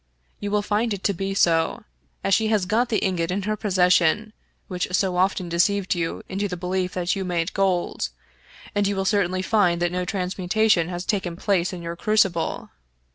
You will find it to be so, as she has got the ingot in her possession which so often deceived you into the belief that you made gold, and you will certainly find that no transmutation has taken place in your crucible."